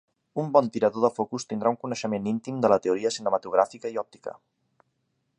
Un bon tirador de focus tindrà un coneixement íntim de la teoria cinematogràfica i òptica.